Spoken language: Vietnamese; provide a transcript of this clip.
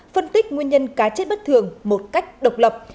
phân tích nguyên nhân cá chết bất thường một cách độc lập